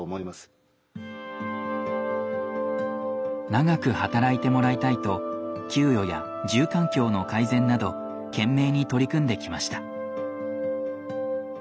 長く働いてもらいたいと給与や住環境の改善など懸命に取り組んできました。